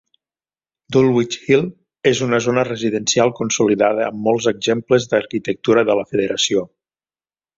Dulwich Hill és una zona residencial consolidada amb molts exemples d'arquitectura de la Federació.